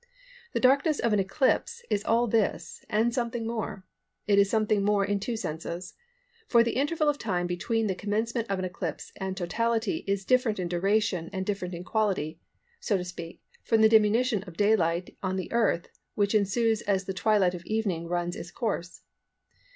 The darkness of an eclipse is all this and something more. It is something more in two senses; for the interval of time between the commencement of an eclipse and totality is different in duration and different in quality, so to speak, from the diminution of daylight on the Earth which ensues as the twilight of evening runs its course.